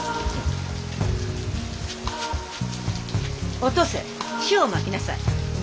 お登勢塩をまきなさい。